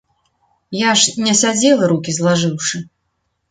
Я ж не сядзела рукі злажыўшы.